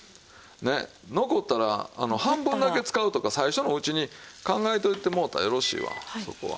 残ったら半分だけ使うとか最初のうちに考えておいてもろうたらよろしいわそこは。